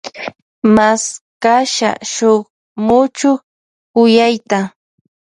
Mashkasha shun muchuk kuyayta.